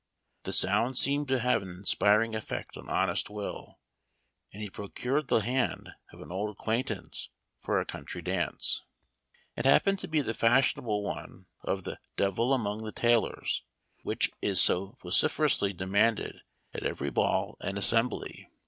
The sound seemed to have an inspiring effect on honest Will, and he procured the hand of an old acquaintance for a country dance. It .happened to be the fashionable one of " The Devil among the Tailors," which is so vocifer ously demanded at every ball and assembly ; 48 Memoir of WasJiington Irving.